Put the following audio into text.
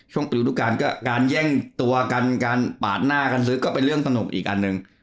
ไปดูรูปการณ์ก็การแย่งตัวกันการปาดหน้ากันซื้อก็เป็นเรื่องสนุกอีกอันหนึ่ง